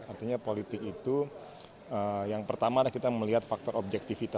artinya politik itu yang pertama kita melihat faktor objektivitas lapangan